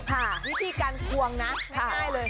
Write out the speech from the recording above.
วิธีการทวงนะง่ายเลย